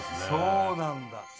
そうなんだ。